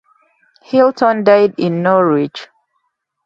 Hilton died in Norwich.